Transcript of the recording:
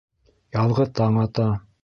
Яҙғы таң ата.